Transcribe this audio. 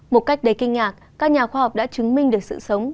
một cách đầy kinh ngạc các nhà khoa học đã chứng minh được sự sống